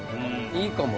いいかも。